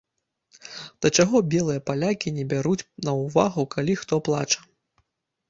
Да чаго белыя палякі не бяруць на ўвагу, калі хто плача.